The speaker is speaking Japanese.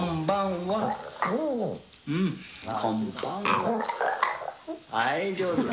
はい、上手。